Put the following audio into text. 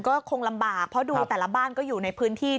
ก็คงลำบากเพราะดูแต่ละบ้านก็อยู่ในพื้นที่